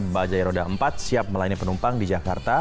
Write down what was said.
bajai roda empat siap melayani penumpang di jakarta